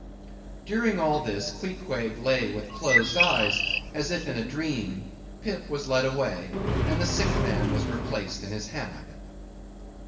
During all this, Queequeg lay with closed eyes, as if in a dream. Pip was led away, and the sick man was replaced in his hammock.